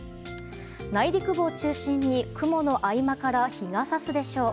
内陸部を中心に雲の合間から日が差すでしょう。